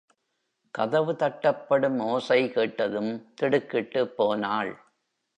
கதவு தட்டப்படும் ஓசை கேட்டதும் திடுக்கிட்டுப் போனாள்.